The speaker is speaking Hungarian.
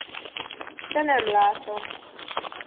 De nem látom!